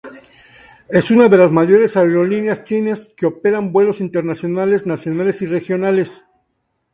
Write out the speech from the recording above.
Es una de las mayores aerolíneas chinas que opera vuelos internacionales, nacionales y regionales.